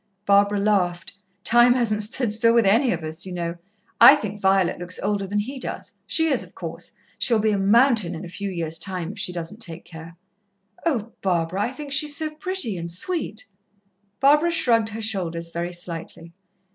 Barbara laughed. "Time hasn't stood still with any of us, you know. I think Violet looks older than he does she is, of course. She'll be a mountain in a few years' time, if she doesn't take care." "Oh, Barbara! I think she's so pretty and sweet." Barbara shrugged her shoulders very slightly.